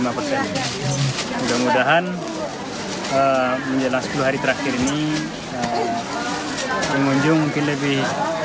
mudah mudahan menjelang sepuluh hari terakhir ini pengunjung mungkin lebih